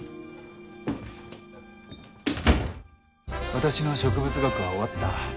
私の植物学は終わった。